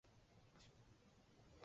犬养孝。